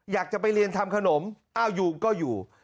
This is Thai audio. อยากจะไปเรียนทำขนมอ้าวยูงก็อยู่